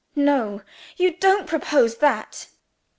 "No! you don't propose that!"